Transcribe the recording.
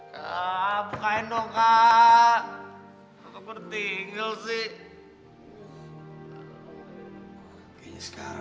tapi sekarang dia bisa pergi ke jogja